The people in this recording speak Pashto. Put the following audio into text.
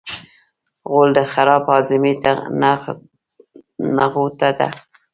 غول د خراب هاضمې نغوته ده.